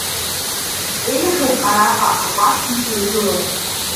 Еиӷьуп араҟа акәаԥгьы сыргылар.